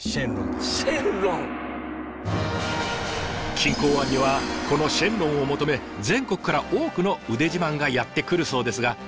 錦江湾にはこの神龍を求め全国から多くの腕自慢がやって来るそうですが。